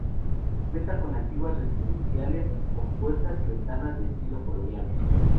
Cuenta con antiguas residenciales, con puertas y ventanas de estilo colonial.